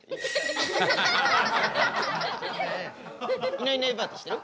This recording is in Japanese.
いないいないばあって知ってる？